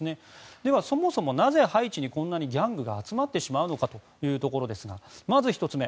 では、そもそもなぜハイチにこんなにギャングが集まってしまうのかというところまず１つ目。